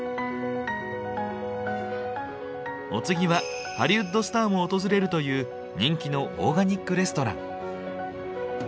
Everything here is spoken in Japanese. お次はハリウッドスターも訪れるという人気のオーガニックレストラン。